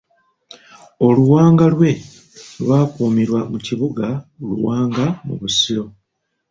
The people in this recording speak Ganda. Oluwanga lwe lwakuumirwa mu kibuga Luwunga mu Busiro.